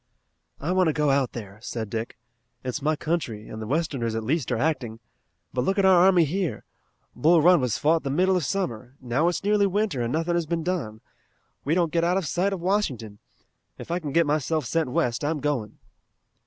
"I want to go out there," said Dick. "It's my country, and the westerners at least are acting. But look at our army here! Bull Run was fought the middle of summer. Now it's nearly winter, and nothing has been done. We don't get out of sight of Washington. If I can get myself sent west I'm going."